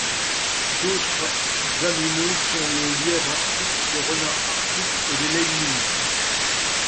D'autres animaux sont le lièvre arctique, le renard arctique et les lemmings.